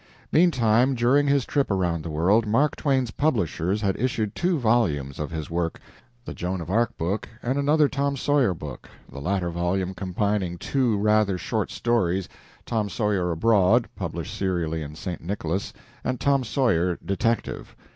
Meantime, during his trip around the world, Mark Twain's publishers had issued two volumes of his work the "Joan of Arc" book, and another "Tom Sawyer" book, the latter volume combining two rather short stories, "Tom Sawyer Abroad," published serially in St. Nicholas, and "Tom Sawyer, Detective."